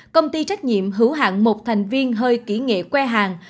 công ty trách nhiệm hữu hạng một thành viên hơi kỹ nghệ que hàng